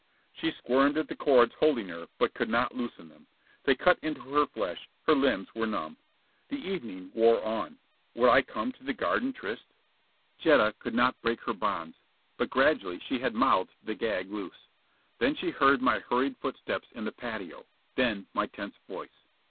She squirmed at the cords holding her, but could not loosen them. They cut into her flesh; her limbs were numb. The evening wore on. Would I come to the garden tryst? Jetta could not break her bonds. But gradually she had mouthed the gag loose. Then she heard my hurried footsteps in the patio; then my tense voice.